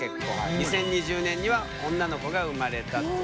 ２０２０年には女の子が生まれたという。